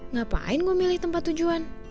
ngapain gue milih tempat tujuan